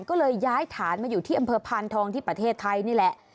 ก็เลยย้ายฐานมาอยู่ที่อำเภอพานทองที่ประเทศไทยนี่แหละ